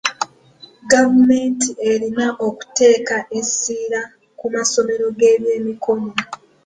Gavumenti erina okuteeka essira ku masomero g'ebyemikono.